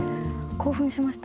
興奮しました。